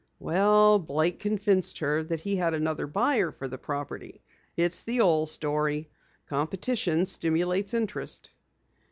"Well, Blake convinced her he had another buyer for the property. It's the old story. Competition stimulates interest."